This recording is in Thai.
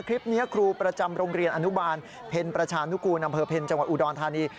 ครูประจำโรงเรียนอนุบาลเพ็ญประชานุกูลอำเภอเพ็ญจังหวัดอุดรธานี